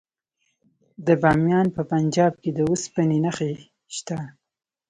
د بامیان په پنجاب کې د وسپنې نښې شته.